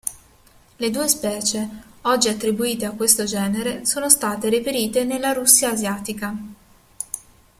Le due specie oggi attribuite a questo genere sono state reperite nella Russia asiatica.